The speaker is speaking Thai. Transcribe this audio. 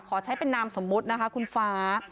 ขอใช้เป็นนามสมมุตินะคะคุณฟ้า